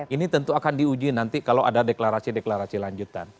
ini tentu akan diuji nanti kalau ada deklarasi deklarasi lanjutan